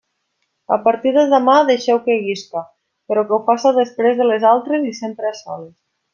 A partir de demà deixeu que isca, però que ho faça després de les altres i sempre a soles.